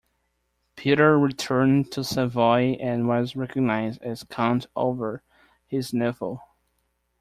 Peter returned to Savoy and was recognised as count over his nephew.